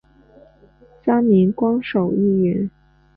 三名官守议员。